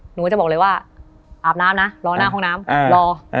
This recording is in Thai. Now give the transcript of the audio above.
หนูก็จะบอกเลยว่าอาบน้ำนะรอหน้าห้องน้ำรอ